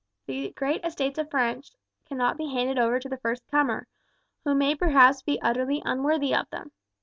The great estates of France cannot be handed over to the first comer, who may perhaps be utterly unworthy of them.